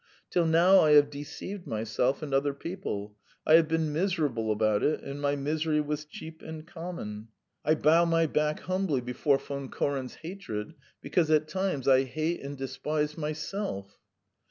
Till now I have deceived myself and other people; I have been miserable about it, and my misery was cheap and common. I bow my back humbly before Von Koren's hatred because at times I hate and despise myself."